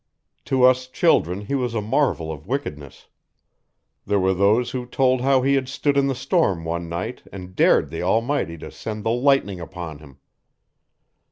To us children he was a marvel of wickedness. There were those who told how he had stood in the storm one night and dared the Almighty to send the lightning upon him.